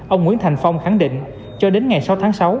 ông nguyễn thành phong khẳng định cho đến ngày sáu tháng sáu